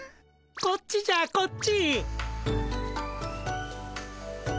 こっちじゃこっち。